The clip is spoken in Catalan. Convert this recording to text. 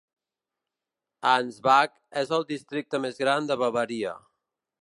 Ansbach és el districte més gran de Bavaria.